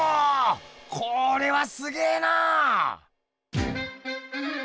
これはすげぇな！